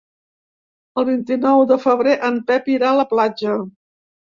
El vint-i-nou de febrer en Pep irà a la platja.